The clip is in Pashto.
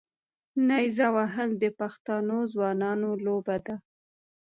نیزه وهل د پښتنو ځوانانو لوبه ده.